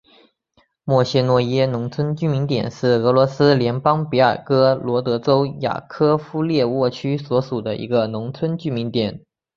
莫谢诺耶农村居民点是俄罗斯联邦别尔哥罗德州雅科夫列沃区所属的一个农村居民点。